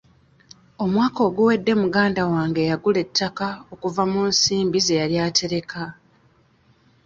Omwaka oguwedde muganda wange yagula ettaka okuva mu nsimbi ze yali atereka.